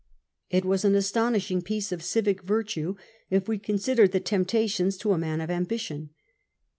It was an astonishing piece of civic virtue, if we con sider the temptations to a man of ambition.